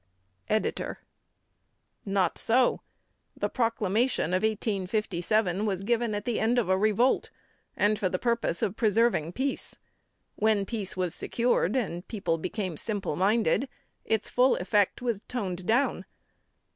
EDITOR: Not so. The Proclamation of 1857 was given at the end of a revolt, and for the purpose of preserving peace. When peace was secured and people became simple minded, its full effect was toned down.